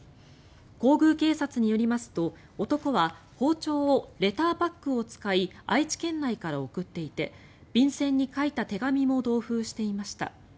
皇宮警察によりますと男は包丁をレターパックを使い愛知県内から送っていて便せんに書いた手紙も同封していました。